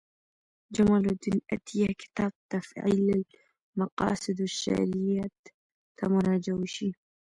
جمال الدین عطیه کتاب تفعیل مقاصد الشریعة ته مراجعه وشي.